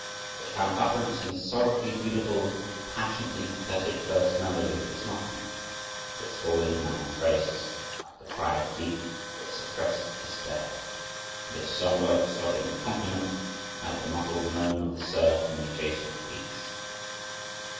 It found utterance in the sorrowfully beautiful, passionately pathetic first melody of this nocturne, with its falling minor phrases, like the cry of a deep but suppressed despair, and its somber, sobbing accompaniment, like the muffled moan of the surf on the adjacent beach.